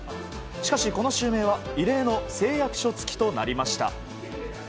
しかしこの襲名は異例の誓約書付きとなりました。